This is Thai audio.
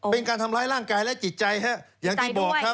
เป็นการทำร้ายร่างกายและจิตใจฮะอย่างที่บอกครับ